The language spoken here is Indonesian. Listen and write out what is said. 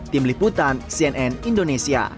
tim liputan cnn indonesia